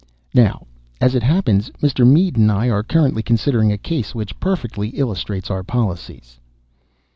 Now, as it happens, Mr. Mead and I are currently considering a case which perfectly illustrates our policies."